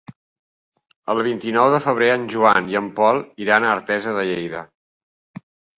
El vint-i-nou de febrer en Joan i en Pol iran a Artesa de Lleida.